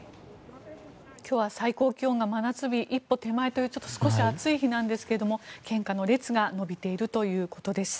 今日は最高気温が真夏日一歩手前という少し暑い日なんですけども献花の列が延びているということです。